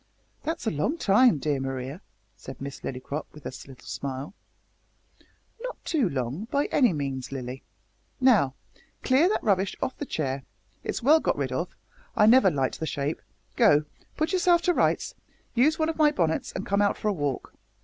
"That's a long time, dear Maria," said Miss Lillycrop, with a little smile. "Not too long, by any means, Lilly. Now, clear that rubbish off the chair it's well got rid of, I never liked the shape go, put yourself to rights, use one of my bonnets, and come out for a walk.